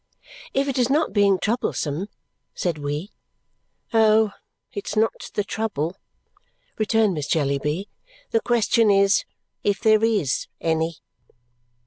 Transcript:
"If it is not being troublesome," said we. "Oh, it's not the trouble," returned Miss Jellyby; "the question is, if there IS any."